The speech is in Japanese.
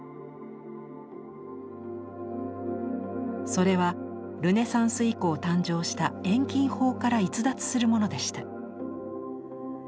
それはルネサンス以降誕生した遠近法から逸脱するものでした。